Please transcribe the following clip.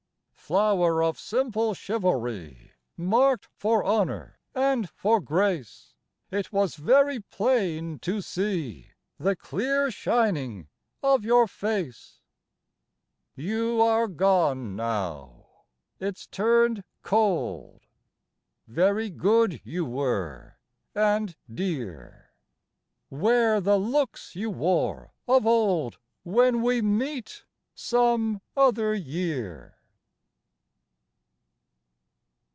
Flower of simple chivalry, Marked for honour and for grace ; It was very plain to see The clear shining of your face. THE PREDESTINED 59 You are gone now : it's turned cold : Very good you were and dear. Wear the looks you wore of old When we meet, some other year.